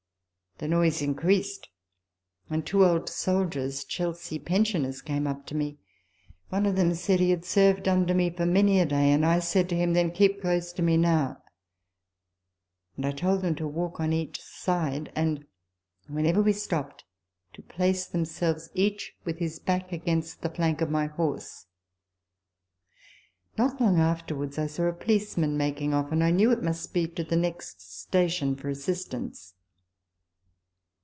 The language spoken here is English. The noise increased, and two old soldiers, Chelsea Pensioners, came up to me. One of them said he had served under me for many a day, and I said to him, " Then keep close to me now ;" and I told them to walk on each side ; and whenever we stopt, to place themselves, each with his back against the flank of my horse. Not long afterwards I saw a policeman making off, and I knew it must be to the next station for assistance.